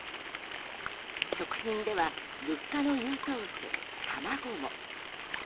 食品では物価の優等生卵も。